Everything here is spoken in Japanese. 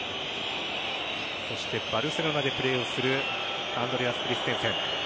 そしてバルセロナでプレーをするアンドレアス・クリステンセン。